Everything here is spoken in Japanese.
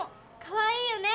かわいいよね！